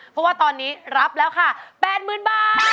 เพราะว่าตอนนี้รับแล้วค่ะ๘๐๐๐บาท